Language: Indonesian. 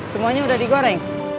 semuanya udah digoreng